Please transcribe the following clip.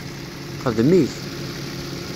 Xdem-it